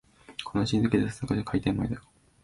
この静けさ、さぞかし開店前だろう